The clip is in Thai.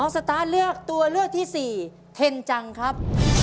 สตาร์ทเลือกตัวเลือกที่๔เทนจังครับ